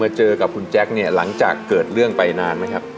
เจอกับคุณแจ๊คเนี่ยหลังจากเกิดเรื่องไปนานไหมครับ